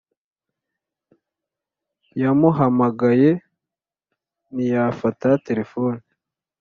yamuhamagaye ntiyafata telephone